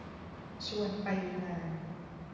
ชวนไปงาน